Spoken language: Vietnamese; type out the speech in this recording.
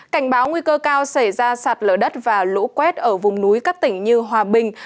cảnh báo nguy cơ cao xảy ra sạt lở đất và lũ quét ở vùng núi các tỉnh như hòa bình